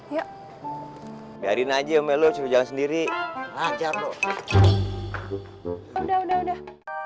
ya biarin aja melucu jangan sendiri aja loh udah udah udah